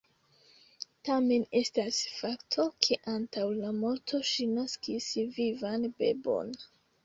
Tamen estas fakto, ke antaŭ la morto ŝi naskis vivan bebon.